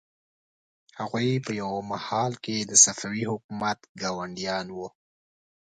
هغوی په یوه مهال کې د صفوي حکومت ګاونډیان وو.